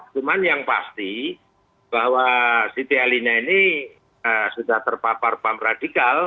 cuman yang pasti bahwa siti elina ini sudah terpapar paham radikal